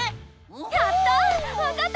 やった！